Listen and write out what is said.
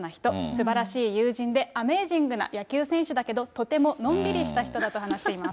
すばらしい友人で、アメージングな野球選手だけど、とてものんびりした人だと話しています。